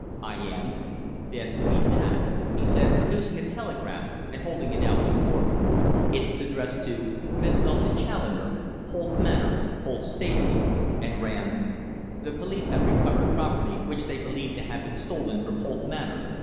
"I am." "Then read that," he said, producing a telegram and holding it out before me. It was addressed to: "Miss Dulcie Challoner, Holt Manor, Holt Stacey," and ran: "The police have recovered property which they believe to have been stolen from Holt Manor.